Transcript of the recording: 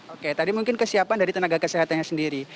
oke tadi mungkin kesiapan dari tenaga kesehatannya sendiri